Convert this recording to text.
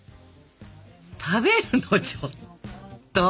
食べるのちょっと！